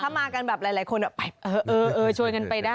ถ้ามากันแบบหลายคนไปช่วยกันไปได้